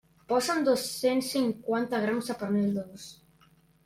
Posa'm dos-cents cinquanta grams de pernil dolç.